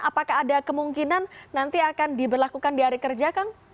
apakah ada kemungkinan nanti akan diberlakukan di hari kerja kang